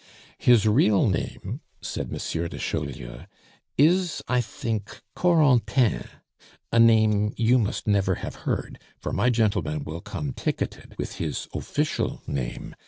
"His real name," said M. de Chaulieu, "is, I think, Corentin a name you must never have heard, for my gentleman will come ticketed with his official name.